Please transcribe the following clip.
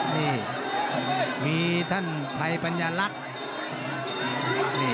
นี่มีท่านไทยปัญญาลักษณ์